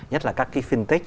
nhất là các cái fintech